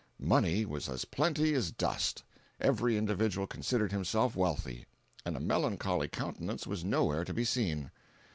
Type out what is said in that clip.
Money was as plenty as dust; every individual considered himself wealthy, and a melancholy countenance was nowhere to be seen.